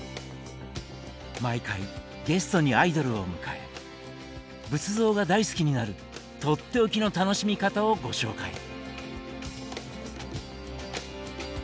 毎回ゲストにアイドルを迎え仏像が大好きになるとっておきの楽しみ方をご紹介。